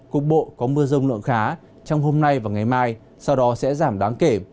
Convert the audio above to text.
khu bộ có mưa rồng lượng khá trong hôm nay và ngày mai sau đó sẽ giảm đáng kể